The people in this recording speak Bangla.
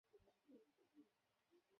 পাপা, জলদিই চলে আসবো।